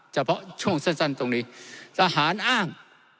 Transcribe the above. เฉพาะช่วงสั้นตรงนี้ทหารอ้าง